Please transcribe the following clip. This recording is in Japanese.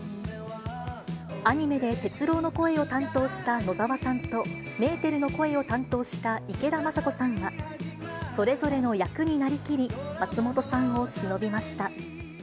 アニメで鉄郎の声を担当した野沢さんと、メーテルの声を担当した池田昌子さんは、それぞれの役になりきり、松本さんをしのびました。